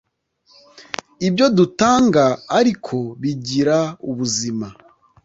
ibyo dutanga, ariko, bigira ubuzima.